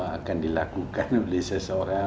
akan dilakukan oleh seseorang